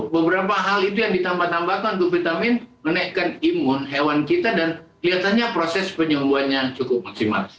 beberapa hal itu yang ditambah tambahkan untuk vitamin menaikkan imun hewan kita dan kelihatannya proses penyembuhannya cukup maksimal